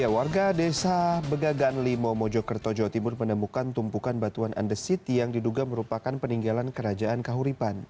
warga desa begagan lima mojokerto jawa timur menemukan tumpukan batuan andesit yang diduga merupakan peninggalan kerajaan kahuripan